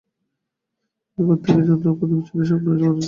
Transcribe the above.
এই করতে গিয়ে জানলাম কত বিচিত্র স্বপ্নই না মানুষ দেখে।